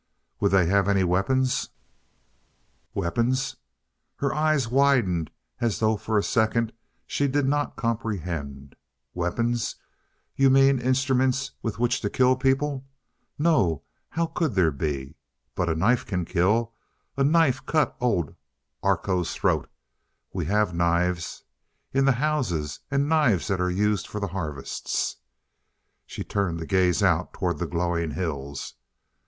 "Would they have any weapons?" "Weapons?" Her eyes widened as though for a second she did not comprehend. "Weapons? You mean instruments with which to kill people? No how could there be? But a knife can kill. A knife cut old Arkoh's throat. We have knives in the houses and knives that are used for the harvests " She had turned to gaze out toward the glowing hills....